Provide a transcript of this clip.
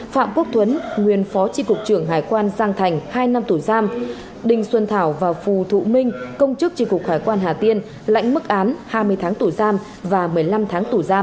phạm quốc thuấn nguyên phó chí cục trường hải quan giang thành hai năm tù giam đình xuân thảo và phù thụ minh công chức chí cục hải quan hà tiên lãnh mức án hai mươi tháng tù giam và một mươi năm tháng tù giam